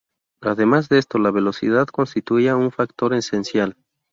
Además de esto, la velocidad constituía un factor esencial.